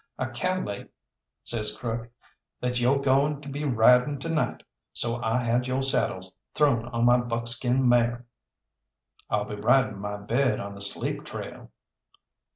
"I cal'late," says Crook, "that yo' goin' to be riding to night, so I had yo' saddle thrown on my buckskin mare." "I'll be riding my bed on the sleep trail."